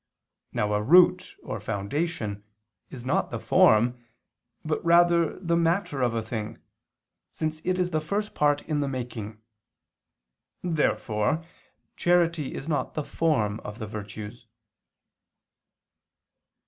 Now a root or foundation is not the form, but rather the matter of a thing, since it is the first part in the making. Therefore charity is not the form of the virtues.